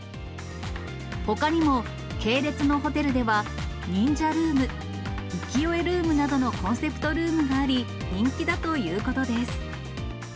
ほかにも系列のホテルでは忍者ルーム、浮世絵ルームなどのコンセプトルームがあり、人気だということです。